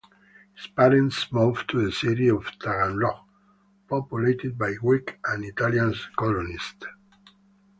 His parents moved to the city of Taganrog, populated by Greek and Italian colonists.